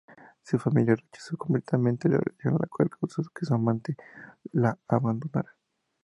Su familia rechazó completamente la relación lo cual causó que su amante la abandonara.